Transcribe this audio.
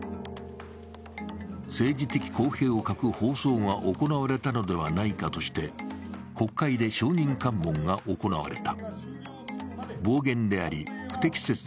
政治的公平を欠く放送が行われたのではないかとして、国会で証人喚問が行われた。